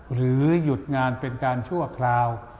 หยุดงานเป็นการชั่วคราว